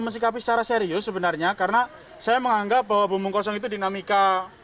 mensikapi secara serius sebenarnya karena saya menganggap bahwa bumbung kosong itu dinamika